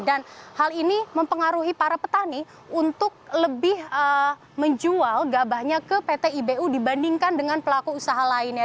dan hal ini mempengaruhi para petani untuk lebih menjual gabahnya ke pt ibu dibandingkan dengan pelaku usaha lainnya